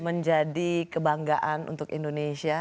menjadi kebanggaan untuk indonesia